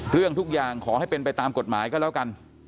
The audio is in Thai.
เรื่องทุกอย่างขอให้เป็นไปตามกฎหมายก็แล้วกัน